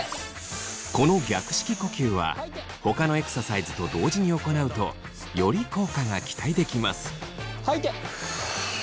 この逆式呼吸はほかのエクササイズと同時に行うとより効果が期待できます。